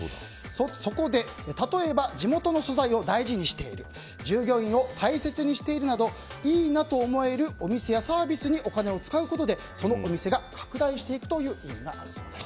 そこで、例えば地元の素材を大事にしている従業員を大切にしているなどいいなと思えるお店やサービスにお金を使うことでそのお店が拡大していくという意味があるそうです。